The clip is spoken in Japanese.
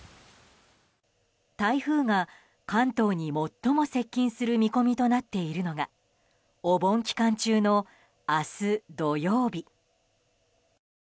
台風が関東に最も接近する見込みとなっているのがお盆期間中の明日土曜日。